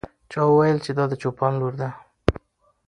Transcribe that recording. چا وویل چې دا د چوپان لور ده.